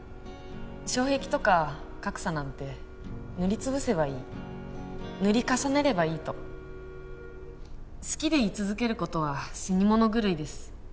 障壁とか格差なんて塗りつぶせばいい塗り重ねればいいと好きでい続けることは死に物狂いです